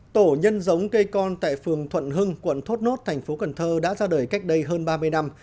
tổ nhân giống cây con tại phường thuận hưng quận thốt nốt thành phố cần thơ đã ra đời cách đây hơn ba mươi năm